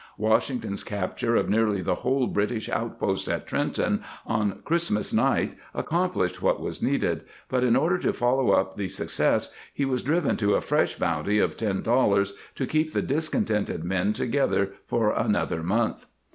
^ Washington's capture of nearly the whole British outpost at Trenton on Christmas night accomplished what was needed, but in order to follow up the suc cess he was driven to a fresh bounty of $10 to keep the discontented men together for another month.